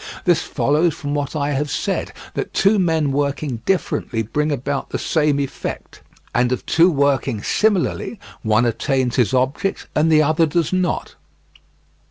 This follows from what I have said, that two men working differently bring about the same effect, and of two working similarly, one attains his object and the other does not.